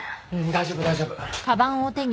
大丈夫大丈夫。